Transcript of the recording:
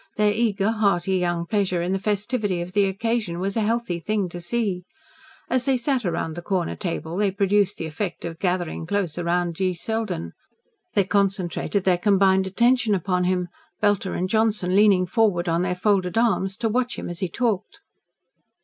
Their eager, hearty young pleasure in the festivity of the occasion was a healthy thing to see. As they sat round the corner table, they produced the effect of gathering close about G. Selden. They concentrated their combined attention upon him, Belter and Johnson leaning forward on their folded arms, to watch him as he talked.